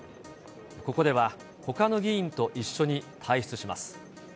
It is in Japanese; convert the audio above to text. ここではほかの議員と一緒に退出します。